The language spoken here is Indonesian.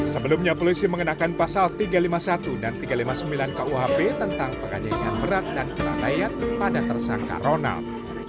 sebelumnya polisi mengenakan pasal tiga ratus lima puluh satu dan tiga ratus lima puluh sembilan kuhp tentang pengajian berat dan keanayan pada tersangka ronald